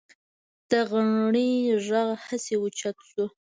د غنړې غږ هسې اوچت شو.